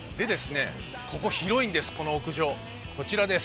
ここ、広いんです、この屋上。